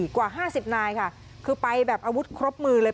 กว่า๕๐นายค่ะคือไปแบบอาวุธครบมือเลย